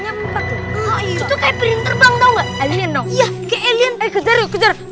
jangan bikin ralepan trio bebo